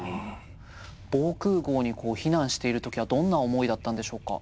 防空壕に避難している時はどんな思いだったんでしょうか？